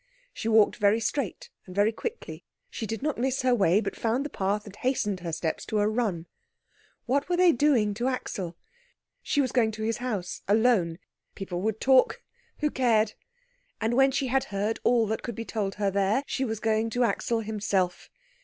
She walked very straight and very quickly. She did not miss her way, but found the path and hastened her steps to a run. What were they doing to Axel? She was going to his house, alone. People would talk. Who cared? And when she had heard all that could be told her there, she was going to Axel himself.